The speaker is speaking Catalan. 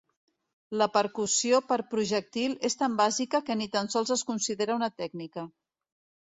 La percussió per projectil és tan bàsica que ni tan sols es considera una tècnica.